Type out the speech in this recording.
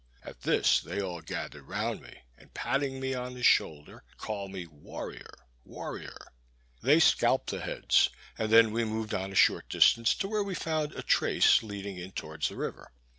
At this they all gathered round me, and patting me on the shoulder, would call me "Warrior warrior." They scalped the heads, and then we moved on a short distance to where we found a trace leading in towards the river.